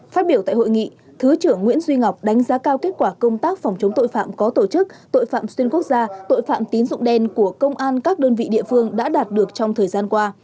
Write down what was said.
phát biểu tại hội nghị thứ trưởng nguyễn duy ngọc đánh giá cao kết quả công tác phòng chống tội phạm có tổ chức tội phạm xuyên quốc gia tội phạm tín dụng đen của công an các đơn vị địa phương đã đạt được trong thời gian qua